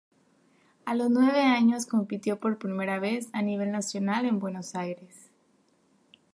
A los nueve años compitió por primera vez a nivel nacional en Buenos Aires.